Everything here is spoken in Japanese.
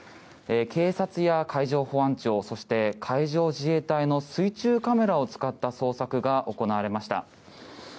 警察や海上保安庁、そして海上自衛隊の水中カメラを使った捜索が行われました。